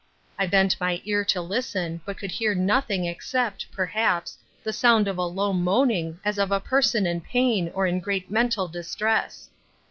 I bent my ear to listen, but could hear nothing except, perhaps, the sound of a low moaning as of a person in pain or in great mental distress.